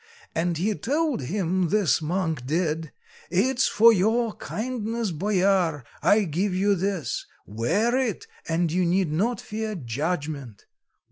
And he told him, this monk did, "It's for your kindness, Boyar, I give you this; wear it, and you need not fear judgment."